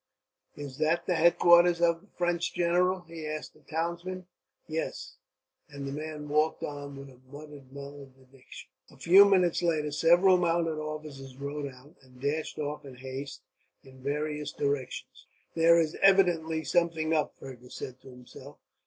"Is that the headquarters of the French general?" he asked a townsman. "Yes," and the man walked on with a muttered malediction. A few minutes later several mounted officers rode out, and dashed off in haste in various directions. "There is evidently something up," Fergus said to himself.